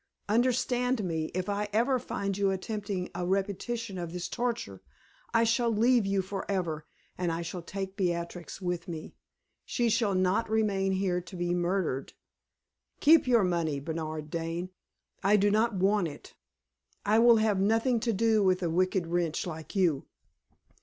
Understand me: if ever I find you attempting a repetition of this torture, I shall leave you forever, and I shall take Beatrix with me. She shall not remain here to be murdered. Keep your money, Bernard Dane; I do not want it. I will have nothing to do with a wicked wretch like you!"